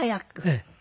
ええ。